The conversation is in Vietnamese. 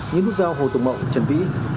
như nút dao hồ tùng mậu trần vĩ